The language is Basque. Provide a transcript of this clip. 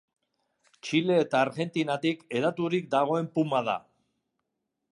Txile eta Argentinatik hedaturik dagoen puma da.